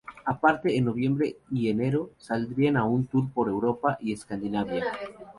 Aparte, en noviembre y enero saldrían a un tour por Europa y Escandinavia.